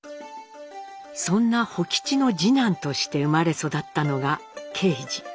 そんな甫吉の次男として生まれ育ったのが敬次。